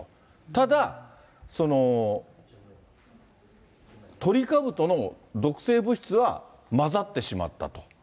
ただ、トリカブトの毒性物質は混ざってしまったと。